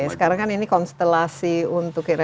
sekarang kan ini konstelasi untuk ini